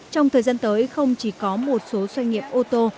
trong thời gian tới không chỉ có một số doanh nghiệp ô tô